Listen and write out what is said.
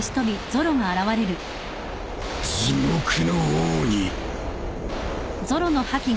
地獄の王に！